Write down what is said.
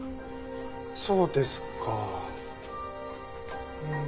そうですか。